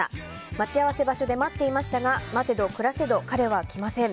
待ち合わせ場所で待っていましたが待てど暮らせど彼は来ません。